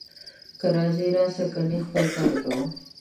که راځې راسه، کنې خپل کار کوه